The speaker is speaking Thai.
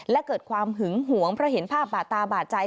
และเกิดความหึงหวงเพราะเห็นภาพบาดตาบาดใจ